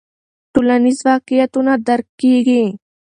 ټولنیز واقعیتونه درک کیږي.